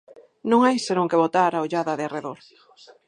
Non hai senón que botar a ollada de arredor.